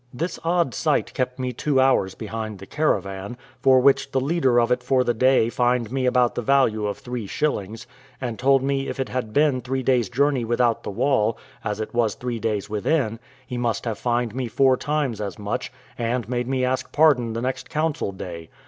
This odd sight kept me two hours behind the caravan, for which the leader of it for the day fined me about the value of three shillings; and told me if it had been three days' journey without the wall, as it was three days' within, he must have fined me four times as much, and made me ask pardon the next council day.